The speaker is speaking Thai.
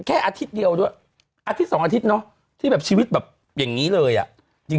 อาทิตย์เดียวด้วยอาทิตย์สองอาทิตย์เนอะที่แบบชีวิตแบบอย่างนี้เลยอ่ะจริง